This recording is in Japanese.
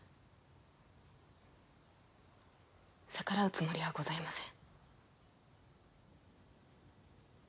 逆らうつもりはございません。